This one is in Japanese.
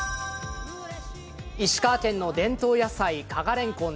石川県の伝統野菜、加賀れんこん